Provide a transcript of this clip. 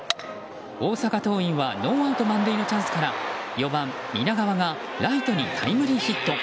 大阪桐蔭はノーアウト満塁のチャンスから４番、南川がライトにタイムリーヒット。